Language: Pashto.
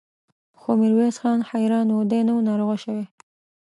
خو ميرويس خان حيران و، دی نه و ناروغه شوی.